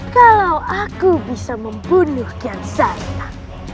kalau aku bisa membunuh kian saya